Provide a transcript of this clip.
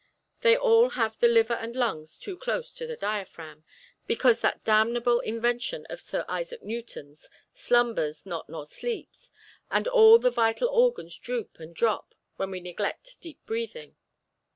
They all have the liver and lungs too close to the diaphragm, because that damnable invention of Sir Isaac Newton's slumbers not nor sleeps, and all the vital organs droop and drop when we neglect deep breathing.